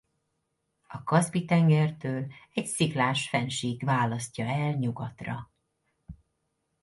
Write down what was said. A Kaszpi-tengertől egy sziklás fennsík választja el nyugatra.